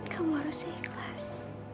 kamu harus ikhlas